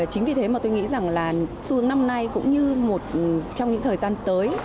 chính vì thế mà tôi nghĩ rằng là xu hướng năm nay cũng như trong những thời gian tới